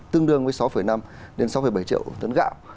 tương đương với sáu năm đến sáu bảy triệu tấn gạo